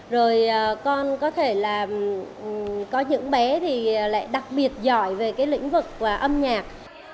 rồi con có thể là có những bé thì lại đặc biệt giỏi về cái lĩnh vực âm nhạc